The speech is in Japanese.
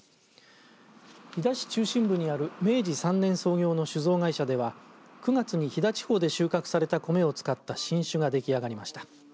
飛騨市中心部にある明治３年創業の酒造会社では９月に飛騨地方で収穫された米を使った新酒が出来上がりました。